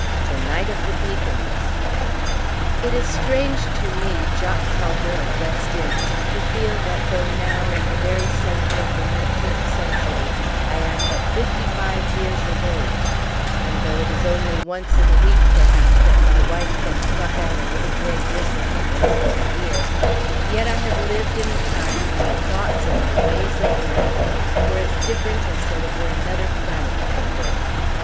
THE NIGHT OF THE BEACONS. It is strange to me, Jock Calder of West Inch, to feel that though now, in the very centre of the nineteenth century, I am but five and fifty years of age, and though it is only once in a week perhaps that my wife can pluck out a little grey bristle from over my ear, yet I have lived in a time when the thoughts and the ways of men were as different as though it were another planet from this.